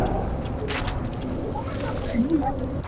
Paranki hmang in sa na kap bal maw?